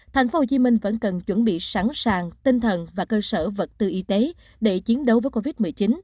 tp hcm vẫn cần chuẩn bị sẵn sàng tinh thần và cơ sở vật tư y tế để chiến đấu với covid một mươi chín